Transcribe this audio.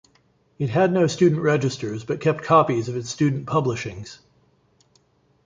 It had no student registers but kept copies of its student publishings.